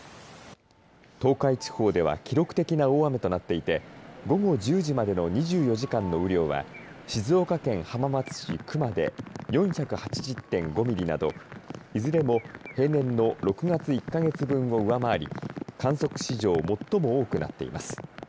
東海地方では記録的な大雨となっていて午後１０時までの２４時間の雨量は静岡県浜松市熊で４８０．５ミリなどいずれも平年の６月１か月分を上回り観測史上最も多くなっています。